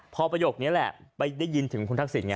พอประโยคนี้แหละไปได้ยินถึงคุณทักษิณ